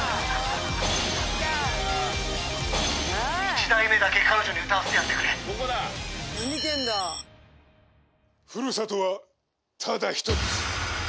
１題目だけ彼女に歌わせてやってくれふるさとはただ１つ！